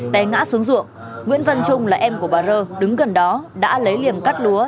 té ngã xuống ruộng nguyễn văn trung là em của bà rơ đứng gần đó đã lấy liềm cắt lúa